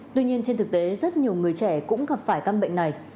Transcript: tuy nhiên trên thực tế rất nhiều người trẻ cũng gặp phải căn bệnh này